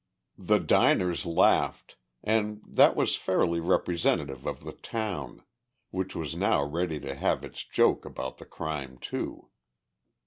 The diners laughed, and that was fairly representative of the town, which was now ready to have its joke about the crime, too.